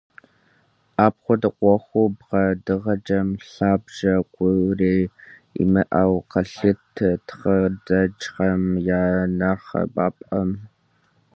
Апхуэдэ Ӏуэху бгъэдыхьэкӀэм лъабжьэ гуэри имыӀэу къалъытэ тхыдэджхэм я нэхъыбапӀэм.